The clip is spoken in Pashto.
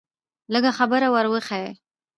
لږه خبره ور وښیه.